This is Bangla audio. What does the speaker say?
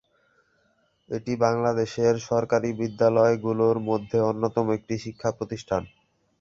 এটি বাংলাদেশের সরকারী বিদ্যালয়গুলোর মধ্যে অন্যতম একটি শিক্ষা প্রতিষ্ঠান।